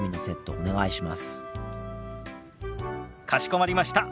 かしこまりました。